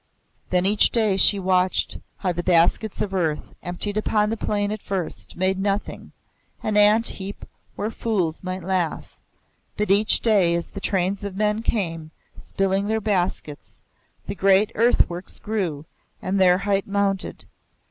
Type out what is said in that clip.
Then each day she watched bow the baskets of earth, emptied upon the plain at first, made nothing, an ant heap whereat fools might laugh. But each day as the trains of men came, spilling their baskets, the great earthworks grew and their height mounted.